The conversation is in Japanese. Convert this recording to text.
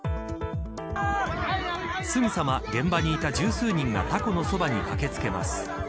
すぐさま、現場にいた十数人がたこのそばに駆け付けます。